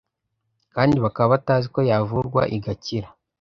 kandi bakaba batazi ko yavurwa igakira.